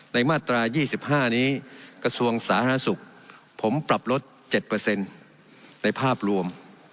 มาตรา๒๕นี้กระทรวงสาธารณสุขผมปรับลด๗ในภาพรวม